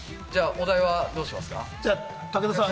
お題はどうしますか？